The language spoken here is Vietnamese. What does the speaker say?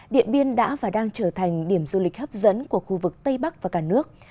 điện biên đã và đang trở thành điểm du lịch hấp dẫn của khu vực tây bắc và cả nước